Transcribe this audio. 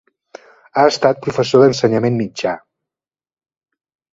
Ha estat professor d'ensenyament mitjà.